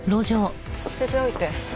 捨てておいて。